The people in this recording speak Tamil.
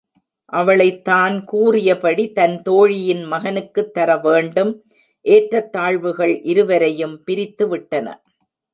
அவளைத் தான் கூறியபடி தன் தோழியின் மகனுக்குத் தரவேண்டும் ஏற்றத் தாழ்வுகள் இருவரையும் பிரித்து விட்டன.